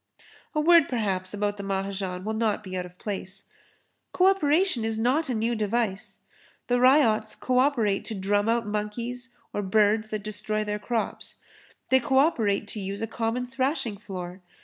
A word perhaps about the Mahajan will not be out of place. Co operation is not a new device. The ryots co operate to drum out monkeys or birds that destroy their crops. They co operate to use a common thrashing floor.